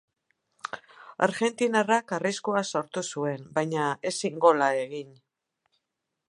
Argentinarrak arriskua sortu zuen, baina ezin gola egin.